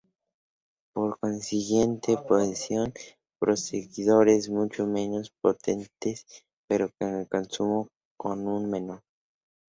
Por consiguiente, poseen procesadores mucho menos potentes pero con un consumo menor.